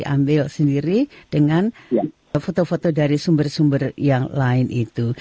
ambil sendiri dengan foto foto dari sumber sumber yang lain itu